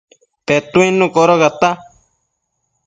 Petuidnu codocata